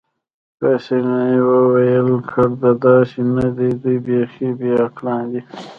پاسیني وویل: ګرد داسې نه دي، دوی بیخي بې عقلان دي.